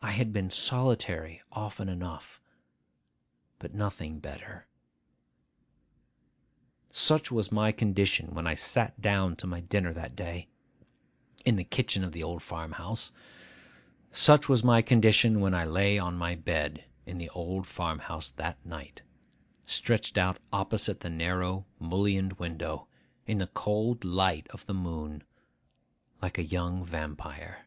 I had been solitary often enough, but nothing better. Such was my condition when I sat down to my dinner that day, in the kitchen of the old farm house. Such was my condition when I lay on my bed in the old farm house that night, stretched out opposite the narrow mullioned window, in the cold light of the moon, like a young vampire.